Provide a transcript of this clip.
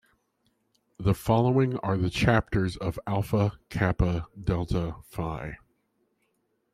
The following are the chapters of alpha Kappa Delta Phi.